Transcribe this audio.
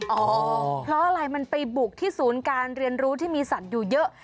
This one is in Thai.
เพราะอะไรมันไปบุกที่ศูนย์การเรียนรู้ที่มีสัตว์อยู่เยอะ